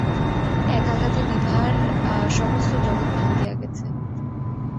এক আঘাতে বিভার সমস্ত জগৎ ভাঙিয়া গেছে।